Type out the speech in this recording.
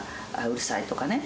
「うるさい」とかね